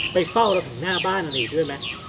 ไปเฝ้าเราถึงหน้าบ้านอะไรด้วยไหม